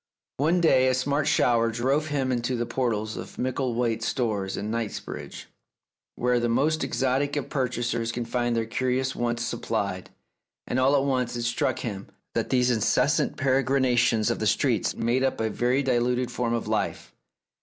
One day a smart shower drove him into the portals of Micklethwait's Stores in Knightsbridge, where the most exotic of purchasers can find their curious wants supplied, and all at once it struck him that these incessant peregrinations of the streets made up a very diluted form of life.